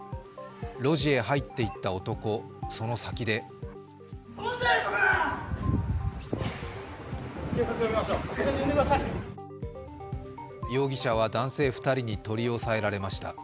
路地へ入っていった男、その先で容疑者は男性２人に取り押さえられました。